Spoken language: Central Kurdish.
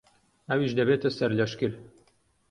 ئەویش دەبێتە سەرلەشکر.